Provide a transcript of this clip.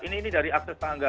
ini dari akses tangga